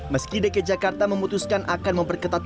meski bk jakarta memutuskan akan memperketatkan